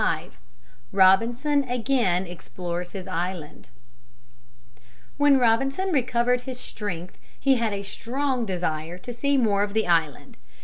XXV ROBINSON AGAIN EXPLORES HIS ISLAND When Robinson recovered his strength he had a strong desire to see more of the island.